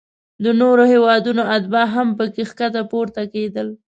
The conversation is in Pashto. د نورو هیوادونو اتباع هم پکې ښکته پورته کیدل.